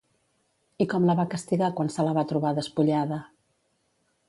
I com la va castigar quan se la va trobar despullada?